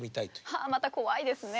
はあまた怖いですね。